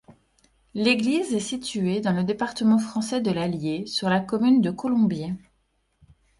L'église est située dans le département français de l'Allier, sur la commune de Colombier.